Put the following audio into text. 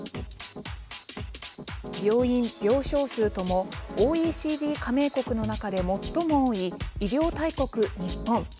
病院、病床数ともＯＥＣＤ加盟国の中で最も多い医療大国・日本。